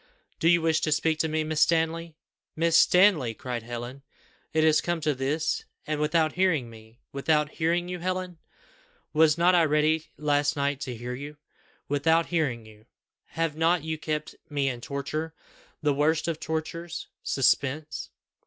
"Do you wish to speak to me, Miss Stanley!" "Miss Stanley!" cried Helen; "is it come to this, and without hearing me!" "Without hearing you, Helen! Was not I ready last night to hear you? Without hearing you! Have not you kept me in torture, the worst of tortures suspense?